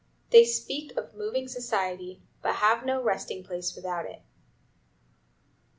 They speak of moving society, but have no resting place without it.